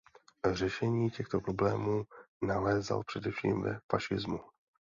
Řešení těchto problémů nalézal především ve fašismu.